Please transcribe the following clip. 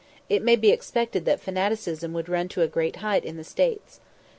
It may be expected that fanaticism would run to a great height in the States.